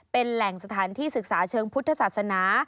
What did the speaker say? เป็นแหล่งสถานที่ศึกษาเชิงพุทธศาสนา